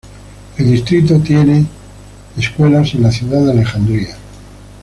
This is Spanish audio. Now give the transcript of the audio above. El distrito tiene escuelas en la Ciudad de Alexandria.